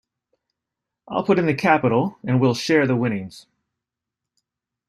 I'll put in the capital and we'll share the winnings.